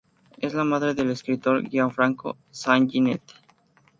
Es la madre del escritor Gianfranco Sanguinetti.